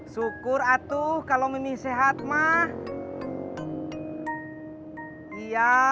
sumbang bu nur ada di sini